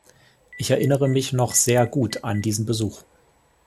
Ich erinnere mich noch sehr gut an diesen Besuch.